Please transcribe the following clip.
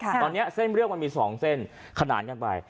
ตอนนี้เส้นเรื่องมันมี๒เส้นขนานกันไป